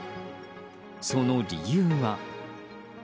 その理由は。